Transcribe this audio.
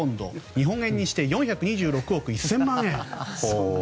日本円にして４２６億１０００万円。